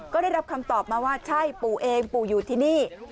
ก็ได้รับคำตอบมาว่าใช่ปู่เองปู่อยู่ที่นี่